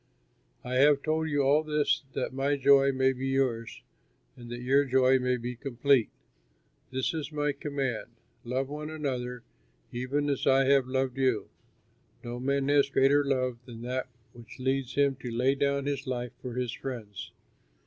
"I have told you all this that my joy may be yours, and that your joy may be complete. This is my command: 'Love one another even as I have loved you.' No man has greater love than that which leads him to lay down his life for his friends.